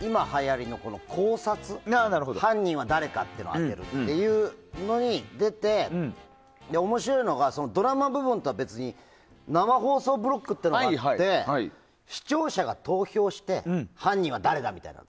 今はやりの考察、犯人は誰かというのを当てるのに出て面白いのが、ドラマ部分とは別に生放送ブロックというのがあって視聴者が投票して犯人は誰かみたいな。